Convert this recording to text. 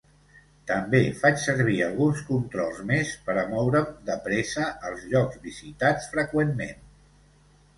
També faig servir alguns controls més per a moure'm de pressa als llocs visitats freqüentment.